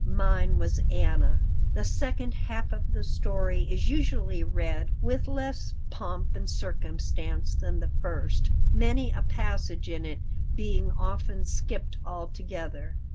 Mine was Anna. The second half of the story is usually read with less pomp and circumstance than the first, many a passage in it being often skipped altogether.